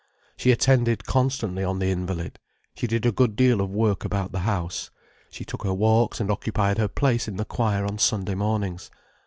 She attended constantly on the invalid: she did a good deal of work about the house: she took her walks and occupied her place in the choir on Sunday mornings.